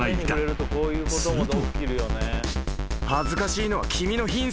［すると］